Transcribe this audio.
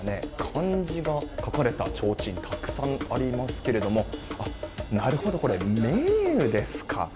漢字が書かれたちょうちんがたくさんありますけれどもなるほどこれメニューですか。